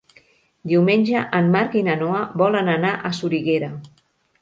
Diumenge en Marc i na Noa volen anar a Soriguera.